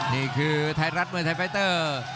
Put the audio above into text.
นี่คือไทยรัฐมวยไทยไฟเตอร์